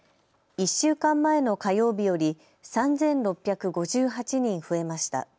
１週間前の火曜日より３６５８人増えました。